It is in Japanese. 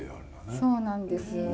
そうなんです。